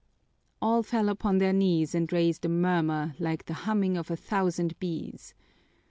All fell upon their knees and raised a murmur like the humming of a thousand bees.